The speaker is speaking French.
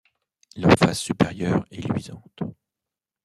Leur face supérieure est luisante.